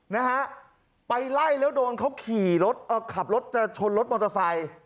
นะฮะไปไล่แล้วโดนเขาขี่รถเอ่อขับรถจะชนรถมอเตอร์ไซค์